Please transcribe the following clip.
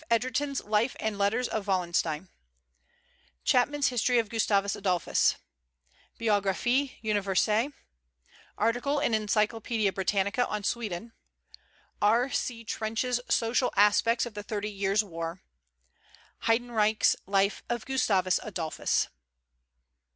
Egerton's Life and Letters of Wallenstein; Chapman's History of Gustavus Adolphus; Biographie Universelle; Article in Encyclopaedia Britannica on Sweden; R.C. Trench's Social Aspects of the Thirty Years' War; Heydenreich's Life of Gustavus Adolphus.